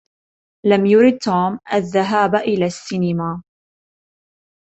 لم يرد توم الذهاب إلى السينما.